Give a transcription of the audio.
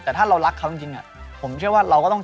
แต่ถ้าเรารักเขาจริงผมเชื่อว่าเราก็ต้อง